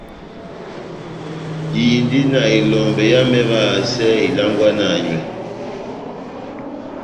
Indi na elombɛ yámɛ évahasɛ ilangwana nywɛ.